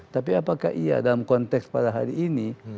tapi apakah iya dalam konteks pada hari ini